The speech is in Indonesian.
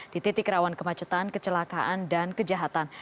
di titik rawan kemacetan kecelakaan dan kejahatan